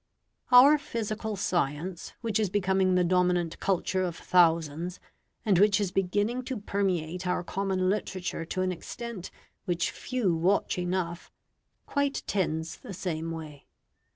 Our physical science, which is becoming the dominant culture of thousands, and which is beginning to permeate our common literature to an extent which few watch enough, quite tends the same way.